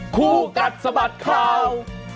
คู่กัดสะบัดข่าว